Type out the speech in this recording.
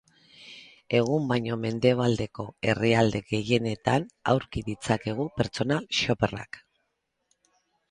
Egun, baina, mendebaldeko herrialde gehienetan aurki ditzakegu personal shopper-ak.